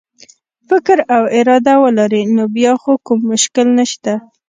فکر او اراده ولري نو بیا خو کوم مشکل نشته.